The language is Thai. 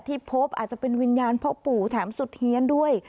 ที่พบอาจจะเป็นวิญญาณพ่อปู่แถมสุดเฮียนด้วย